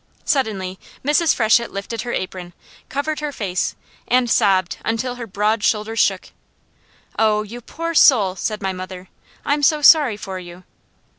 Suddenly Mrs. Freshett lifted her apron, covered her face and sobbed until her broad shoulders shook. "Oh you poor soul!" said my mother. "I'm so sorry for you!"